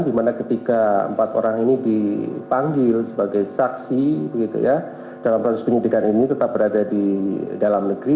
dimana ketika empat orang ini dipanggil sebagai saksi dalam proses penyidikan ini tetap berada di dalam negeri